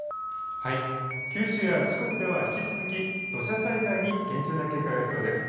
九州や四国では引き続き土砂災害に厳重な警戒が必要です。